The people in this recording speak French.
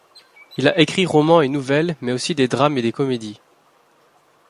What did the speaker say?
Il a écrit romans et nouvelles, mais aussi des drames et des comédies.